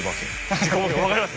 分かります。